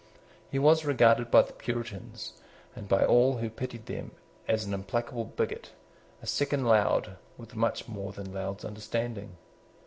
He was regarded by the Puritans, and by all who pitied them, as an implacable bigot, a second Laud, with much more than Laud's understanding.